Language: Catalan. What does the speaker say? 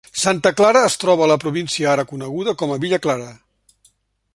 Santa Clara es troba a la província ara coneguda com a Villa Clara.